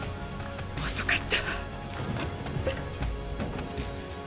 遅かった！